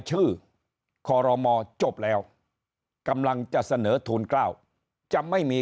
ชื่อครมจบแล้วกำลังจะเสนอทูนเกล้าจะไม่มี